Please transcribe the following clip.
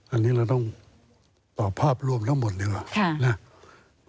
อันนี้เราต้องตอบภาพรวมทั้งหมดดีกว่านะ